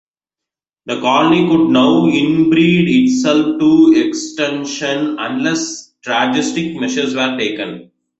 The colony would now inbreed itself to extinction unless drastic measures were taken.